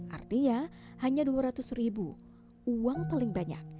artinya hanya dua ratus ribu uang paling banyak